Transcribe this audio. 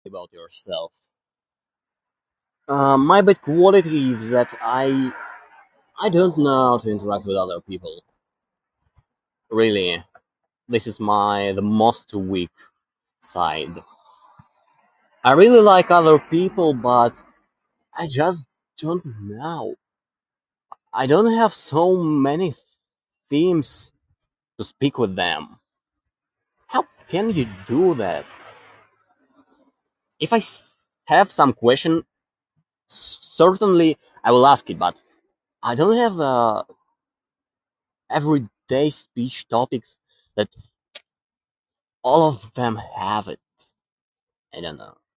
-about yourself. Um, my bad qualities that I I don't know how to interact with other people. Really. This is my the most weak side. I really like other people, but I just don't know. I don't have so many things to speak with them. How can you do that? If I s- have some question, certainly I will ask it. But I don't have a... everyday speech topics that all of them have it. I dunno.